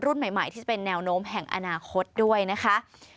รุ่นใหม่ที่จะเป็นแนวโน้มแห่งอนาคตด้วยนะคะ